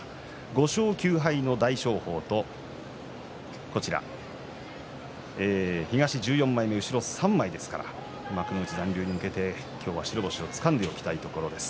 ５勝９敗の大翔鵬と東１４枚目後ろ３枚ですから幕内残留に向けて白星をつかんでおきたいところです